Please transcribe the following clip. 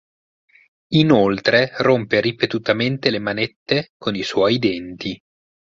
Inoltre rompe ripetutamente le manette con i suoi denti.